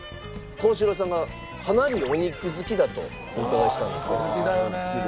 幸四郎さんがかなりお肉好きだとお伺いしたんですけど。